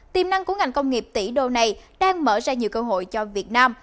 tiềm năng của ngành công nghiệp tỷ đô này đang mở ra nhiều cơ hội cho việt nam